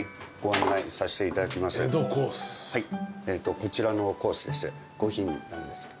こちらのコースで。